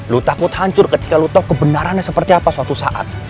lu takut hancur ketika lo tau kebenarannya seperti apa suatu saat